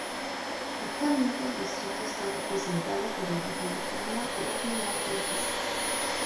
Actualmente el distrito está representado por el Republicano Rodney L. Davis.